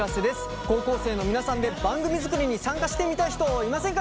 高校生の皆さんで番組作りに参加してみたい人いませんか？